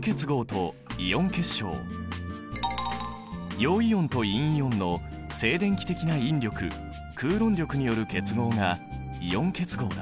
陽イオンと陰イオンの静電気的な引力クーロン力による結合がイオン結合だ。